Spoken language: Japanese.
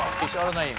ナイン